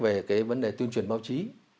về cái vấn đề tuyên truyền báo chí